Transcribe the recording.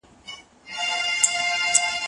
زه له پرون راهیسې کار کوم،